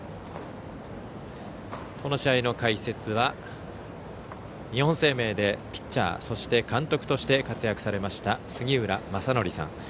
この試合の解説は日本生命でピッチャーそして監督として活躍されました、杉浦正則さん。